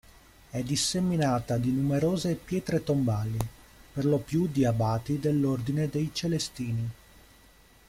È disseminata di numerose pietre tombali, per lo più di abati dell'Ordine dei Celestini.